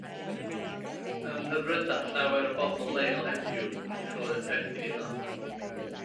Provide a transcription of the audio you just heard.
Ymhyfryda llawer o bobl leol heddiw eu bod yn perthyn iddo.